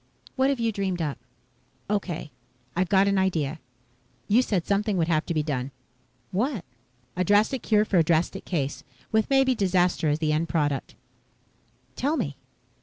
What have you dreamed up?" "Okay. I've got an idea. You said something would have to be done." "What?" "A drastic cure for a drastic case. With maybe disaster as the end product." "Tell me."